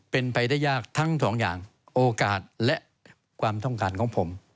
เป็นไปได้ยากทั้งสองอย่างโอกาสและความต้องการของผม